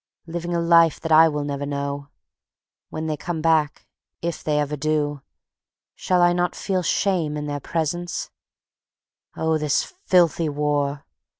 Living a life that I will never know. When they come back, if they ever do, shall I not feel shamed in their presence? Oh, this filthy war!